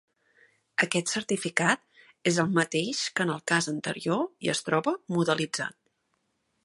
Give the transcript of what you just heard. Aquest certificat és el mateix que en el cas anterior i es troba modelitzat.